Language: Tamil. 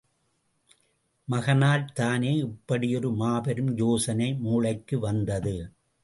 மகனால்தானே இப்படி ஒரு மாபெரும் யோசனை மூளைக்கு வந்தது!